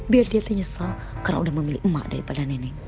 biar dia penyesal karena udah memilih emak daripada nenek